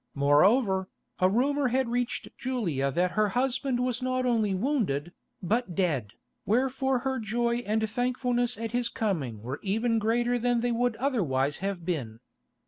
Moreover, a rumour had reached Julia that her husband was not only wounded, but dead, wherefore her joy and thankfulness at his coming were even greater than they would otherwise have been.